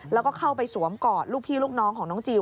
แล้วก็เข้าไปสวมกอดลูกพี่ลูกน้องของน้องจิล